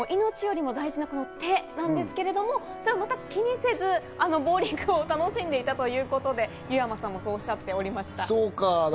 命よりも大事な手なんですけど、まったく気にせずボウリングを楽しんでいたということで、湯山さんも、そうおっしゃっていました。